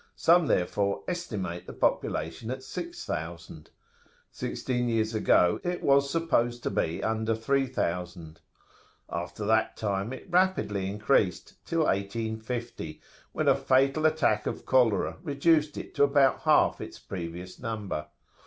Some therefore estimate the population at 6,000. Sixteen years ago it was supposed to be under 3,000. After that time it rapidly increased till 1850, when a fatal attack of cholera reduced it to about half its previous number.